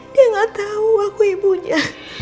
dia gak tahu aku ibunya